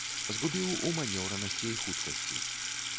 Згубіў у манеўранасці і ў хуткасці.